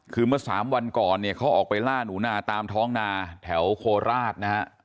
คือเมื่อสามวันก่อนเนี่ยเขาออกไปล่าหนูนาตามท้องนาแถวโคราชนะฮะ